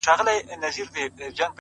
هره تجربه د شخصیت رنګ ژوروي,